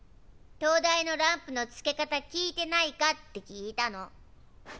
灯台のランプのつけ方聞いてないかって聞いたの。